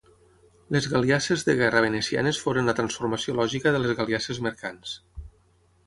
Les galiasses de guerra venecianes foren la transformació lògica de les galiasses mercants.